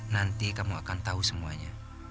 nanti kamu akan tahu semuanya